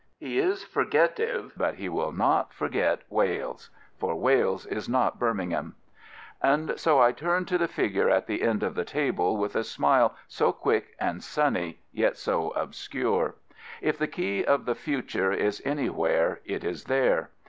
He is " forgetiye/' but he will not forget Wales. For Wales is not Birmingham. And so I turn to the figure at the end of the table, with the smile so quick and sunny, yet so obscure. If the key of the future is anywhere it is there.